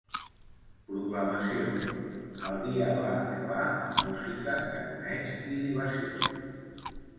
"Proclamació - el dia va acabar amb música, canoneig i libació.